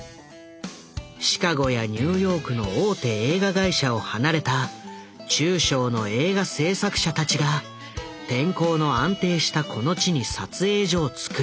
シカゴやニューヨークの大手映画会社を離れた中小の映画製作者たちが天候の安定したこの地に撮影所を造り